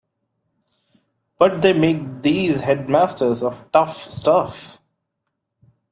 But they make these head masters of tough stuff.